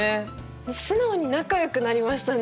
素直に仲よくなりましたね